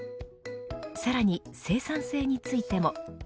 さらに生産性についても。